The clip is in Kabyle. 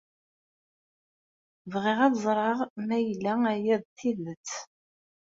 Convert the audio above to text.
Bɣiɣ ad ẓreɣ ma yella aya d tidet.